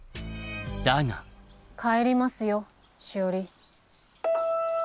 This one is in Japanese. だが帰りますよしおり。